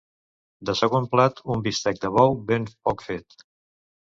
De segon plat un bistec de bou ben poc fet.